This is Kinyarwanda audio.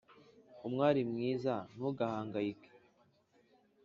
umwari mwiza ntugahangayike